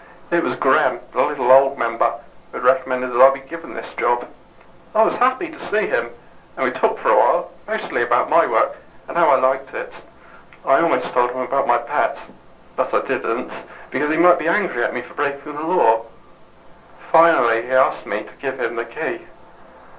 It was Gremm, the little old member, who had recommended that I be given this job. I was happy to see him, and we talked for a while, mostly about my work, and how I liked it. I almost told him about my pet, but I didn't, because he might be angry at me for breaking the Law. Finally, he asked me to give him the Key.